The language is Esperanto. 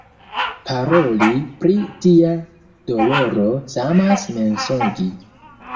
Paroli pri tia doloro samas mensogi.